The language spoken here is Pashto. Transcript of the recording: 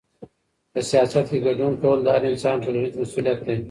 په سياست کي ګډون کول د هر انسان ټولنيز مسؤوليت دی.